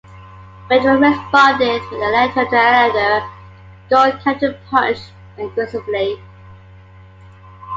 When Dreyer responded with a letter to the editor, Gould counter-punched aggressively.